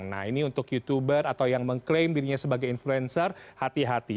nah ini untuk youtuber atau yang mengklaim dirinya sebagai influencer hati hati